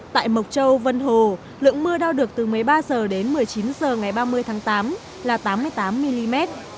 tại mộc châu vân hồ lượng mưa đau được từ một mươi ba h đến một mươi chín h ngày ba mươi tháng tám là tám mươi tám mm